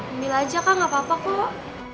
ambil aja kak gak apa apa kok kak